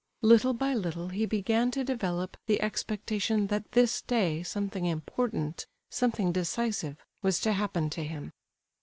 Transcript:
Little by little he began to develop the expectation that this day something important, something decisive, was to happen to him.